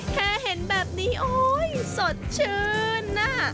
แค่เห็นแบบนี้โอ๊ยสดชื่นน่ะ